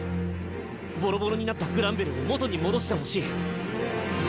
ボロボロになったグランベルを元に戻してほしい。